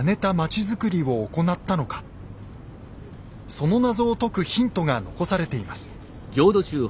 その謎を解くヒントが残されています。